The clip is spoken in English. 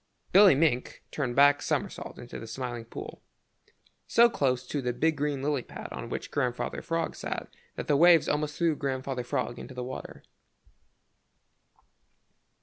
Billy Mink turned a back somersault into the Smiling Pool so close to the big green lily pad on which Grandfather Frog sat that the waves almost threw Grandfather Frog into the water.